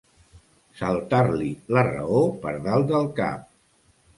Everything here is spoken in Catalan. Saltar-li la raó per dalt del cap.